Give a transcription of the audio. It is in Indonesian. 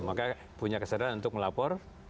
maka punya kesadaran untuk melapor